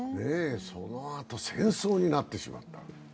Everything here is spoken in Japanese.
そのあと戦争になってしまった。